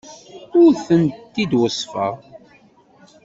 Ur tent-id-weṣṣfeɣ.